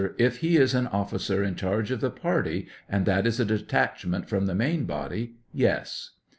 If he is an officer in charge of the party and that is a detachment from the main body, yes.